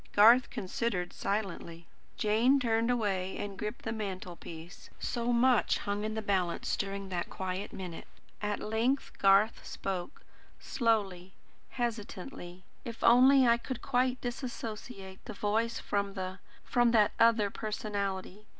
Garth considered silently. Jane turned away and gripped the mantelpiece. So much hung in the balance during that quiet minute. At length Garth spoke, slowly, hesitatingly. "If only I could quite disassociate the voice from the from that other personality.